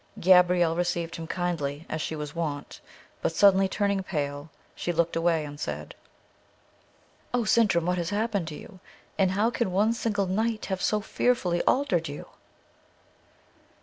Gabrielle received him kindly, as she was wont, but suddenly turning pale, she looked away and said: "O Sintram, what has happened to you? And how can one single night have so fearfully altered you?"